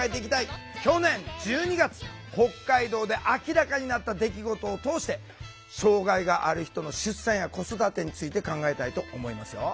去年１２月北海道で明らかになった出来事を通して障害がある人の出産や子育てについて考えたいと思いますよ。